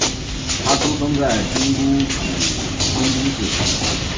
她出生在京都府京都市。